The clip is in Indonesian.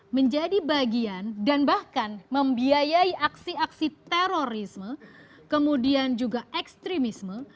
menjadi bagian dan bahkan membiayai aksi aksi terorisme kemudian juga ekstremisme